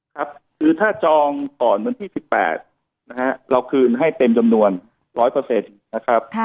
ครับคือถ้าจองก่อนวันที่๑๘นะฮะเราคืนให้เต็มจำนวน๑๐๐นะครับ